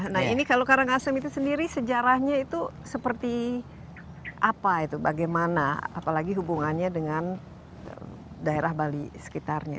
nah ini kalau karangasem itu sendiri sejarahnya itu seperti apa itu bagaimana apalagi hubungannya dengan daerah bali sekitarnya